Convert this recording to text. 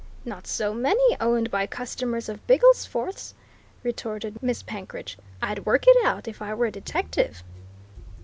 "Not so many owned by customers of Bigglesforth's!" retorted Miss Penkridge. "I'd work it out, if I were a detective!"